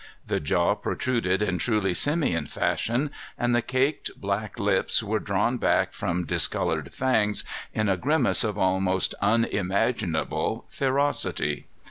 The jaw protruded in truly simian fashion, and the caked, black lips were drawn back from discolored fangs in a grimace of almost unimaginable ferocity.